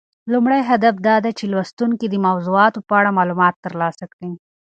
لومړی هدف دا دی چې لوستونکي د موضوعاتو په اړه معلومات ترلاسه کړي.